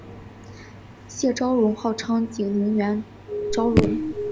谢昭容号称景宁园昭容。